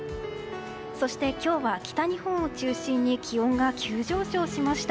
そして、今日は北日本を中心に気温が急上昇しました。